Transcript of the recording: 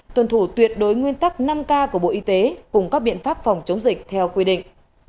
tuân thủ tuyệt đối nguyên tắc năm k của bộ y tế cùng các biện pháp phòng chống dịch theo quy định